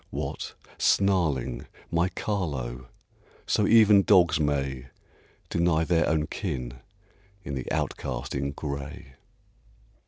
What! snarling, my Carlo! So even dogs may Deny their own kin in the outcast in gray.